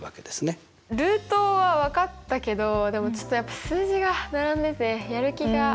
ルートは分かったけどちょっとやっぱ数字が並んでてやる気が。